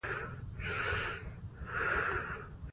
افغانستان کې د کلتور په اړه زده کړه کېږي.